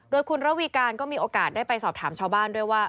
โดยคุณระวีการก็มีโอกาสได้ไปสอบถามชาวบ้านด้วยว่า